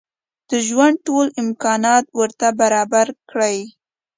د ژوند ټول امکانات ورته برابر کړي.